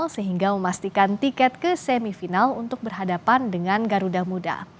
sehingga memastikan tiket ke semifinal untuk berhadapan dengan garuda muda